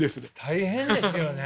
大変ですよね。